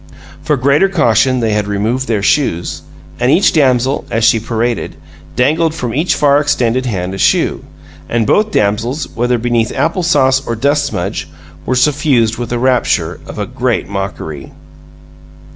For greater caution they had removed their shoes; and each damsel, as she paraded, dangled from each far extended hand a shoe. And both damsels, whether beneath apple sauce or dust smudge, were suffused with the rapture of a great mockery.